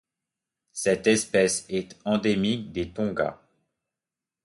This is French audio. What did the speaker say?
Cette espèce est endémique des Tonga.